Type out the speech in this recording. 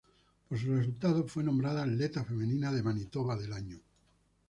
Por sus resultados fue nombrada Atleta Femenina de Manitoba del Año.